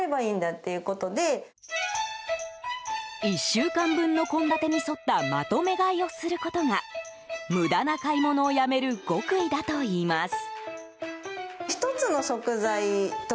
１週間分の献立に沿ったまとめ買いをすることが無駄な買い物をやめる極意だといいます。